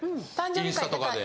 インスタとかで。